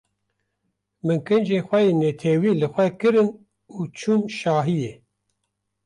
Min kincên xwe yên netewî li xwe kirin û çûm şahiyê.